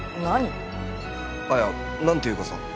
何ていうかさ。